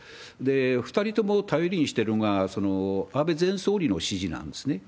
２人とも頼りにしてるのが、安倍前総理の支持なんですね。